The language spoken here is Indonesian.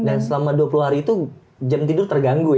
dan selama dua puluh hari itu jam tidur terganggu ya